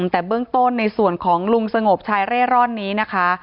แต่เบื้องต้นในส่วนของลุงสงบชายเร่ร่อนนี้นะคะ